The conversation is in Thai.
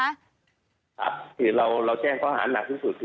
นี่เราแจ้งข้อหาหนักสุด